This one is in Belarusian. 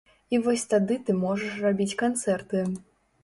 І вось тады ты можаш рабіць канцэрты.